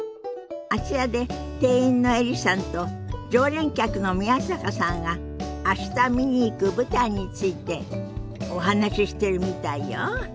あちらで店員のエリさんと常連客の宮坂さんが明日見に行く舞台についてお話ししてるみたいよ。